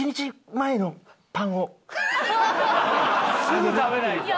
すぐ食べないと。